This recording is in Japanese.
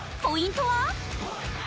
ポイントは？